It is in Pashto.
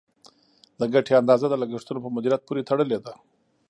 د ګټې اندازه د لګښتونو په مدیریت پورې تړلې ده.